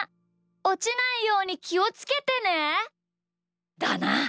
おちないようにきをつけてね。だな。